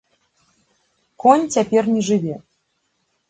Конь цяпер не жыве.